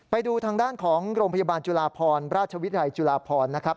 ไปดูทางด้านของโรงพยาบาลจุฬาพรราชวิทยาลัยจุฬาพรนะครับ